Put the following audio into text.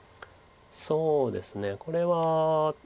そうですねこれは。